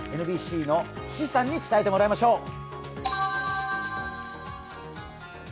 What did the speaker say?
ＮＢＣの岸さんに伝えてもらいましょう。